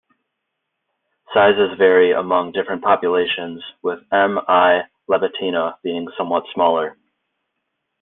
Sizes vary among different populations, with "M. l. lebetina" being somewhat smaller.